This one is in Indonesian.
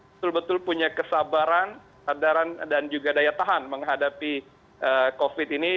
betul betul punya kesabaran sadaran dan juga daya tahan menghadapi covid ini